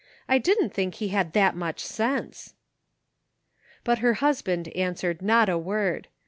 I didn't think he had that much sense! " But her husband answered not a word.